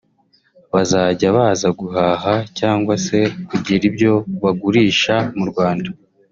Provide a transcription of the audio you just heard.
bazajya baza guhaha cyangwa se kugira ibyo bagurisha mu Rwanda